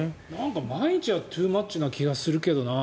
毎日はトゥーマッチな気がするけどな。